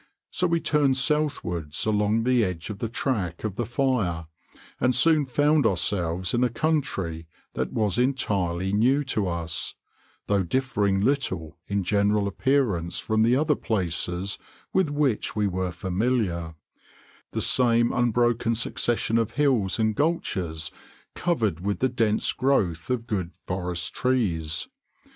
So we turned southwards along the edge of the track of the fire, and soon found ourselves in a country that was entirely new to us, though differing little in general appearance from the other places with which we were familiar the same unbroken succession of hills and gulches covered with the dense growth of good forest trees.